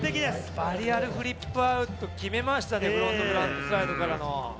貼りあるフリップアウト決めましたね、フロントアウトサイドからの。